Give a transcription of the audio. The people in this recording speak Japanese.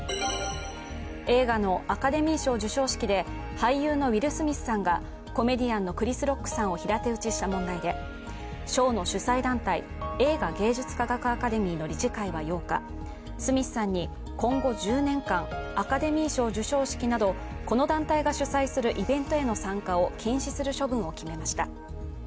映画のアカデミー賞授賞式で、俳優のウィル・スミスさんがコメディアンのクリス・ロックさんを平手打ちした問題で、賞の主催団体、映画芸術科学アカデミーの理事会は８日、スミスさんに今後１０年間、アカデミー賞授賞式など、この団体が主催するイベントへの参加を禁止する処分を決めました。